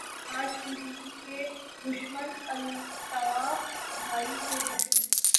آج P P P کے دشمن الطاف بھائی کے دشمن